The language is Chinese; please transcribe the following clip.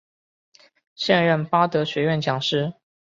现任巴德学院讲师。